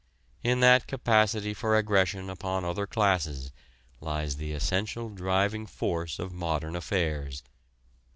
In that capacity for aggression upon other classes lies the essential driving force of modern affairs."